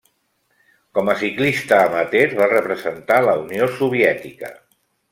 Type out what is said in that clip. Com a ciclista amateur, va representar la Unió Soviètica.